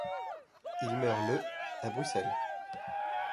Il meurt le à Bruxelles.